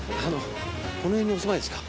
この辺にお住まいですか？